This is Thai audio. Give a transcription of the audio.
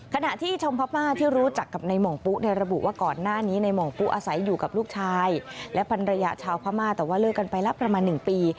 ขณะที่ชมพม่าที่รู้จักกับในห่องปุ๊ระบุว่าก่อนหน้านี้ในห่องปุ๊อาศัยอยู่กับลูกชายและภรรยาชาวพม่าแต่ว่าเลิกกันไปแล้วประมาณ๑ปี